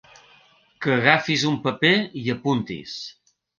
Que agafis un paper i apuntis.